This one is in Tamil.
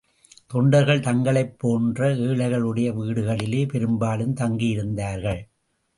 தொண்டர்கள் தங்களைப் போன்ற ஏழைகளுடைய வீடுகளிலேயே பெரும்பாலும் தங்கியிருந்தார்கள்.